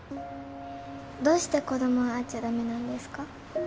どうして子供は会っちゃ駄目なんですか？